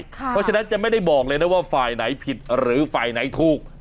เพราะฉะนั้นจะไม่ได้บอกเลยนะว่าฝ่ายไหนผิดหรือฝ่ายไหนถูก